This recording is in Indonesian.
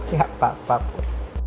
gak apa apa put